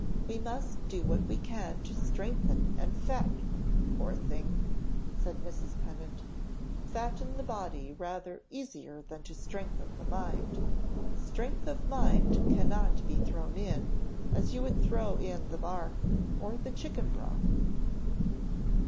"We must do what we can to strengthen and fatten her, poor thing!" said Mrs. Pennant. "Fatten the body, rather easier than to strengthen the mind. Strength of mind cannot be thrown in, as you would throw in the bark, or the chicken broth."